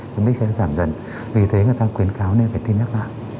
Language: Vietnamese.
cái mít sẽ giảm dần vì thế người ta quyến cáo nên phải tiêm nhắc lại